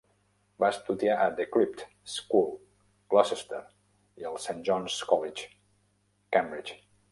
Va estudiar a The Crypt School, Gloucester, i al Saint John's College, Cambridge.